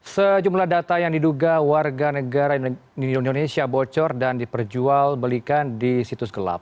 sejumlah data yang diduga warga negara indonesia bocor dan diperjual belikan di situs gelap